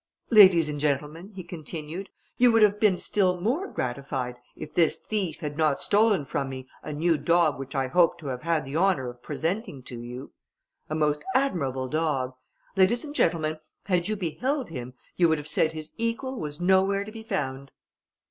"Ladies and gentlemen," he continued, "you would have been still more gratified if this thief had not stolen from me a new dog which I hoped to have had the honour of presenting to you. A most admirable dog! Ladies and gentlemen, had you beheld him, you would have said his equal was nowhere to be found."